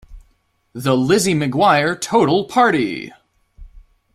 The Lizzie McGuire Total Party!